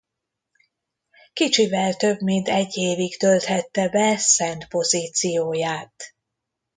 Kicsivel több mint egy évig tölthette be szent pozícióját.